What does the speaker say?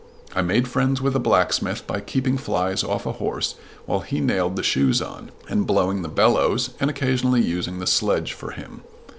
I made friends with a blacksmith by keeping flies off a horse while he nailed the shoes on, and "blowing the bellows" and occasionally using the "sledge" for him.